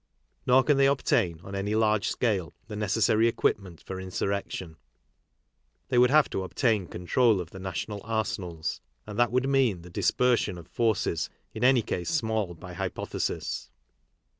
Nor can they obtain, on any large scale, the necessary equipment for insurrection. They would have to obtain control of the national arsenals; and that would mean the dispersion of forces in any case small by hypothesis.